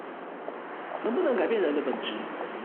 能不能改變人的本質